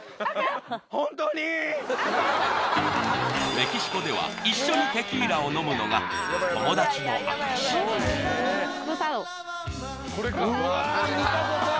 メキシコでは一緒にテキーラを飲むのが友達の証しうわあ